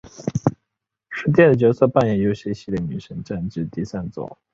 是电子角色扮演游戏系列女神战记的第三作。